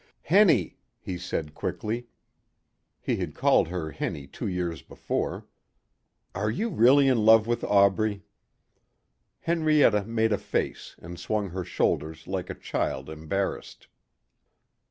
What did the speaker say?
"Henny," he said quickly, he had called her Henny two years before, "are you really in love with Aubrey?" Henrietta made a face and swung her shoulders like a child embarrassed.